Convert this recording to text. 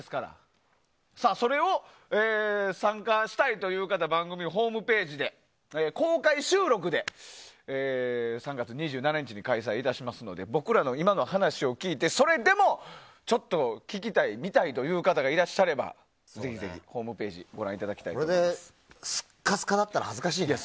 それに参加したいという方は番組ホームページで公開収録で３月２７日に開催いたしますので僕らの今の話を聞いてそれでもちょっと聴きたい、見たいという方がいらっしゃればぜひぜひホームページをこれですかすかだったら恥ずかしいけどね。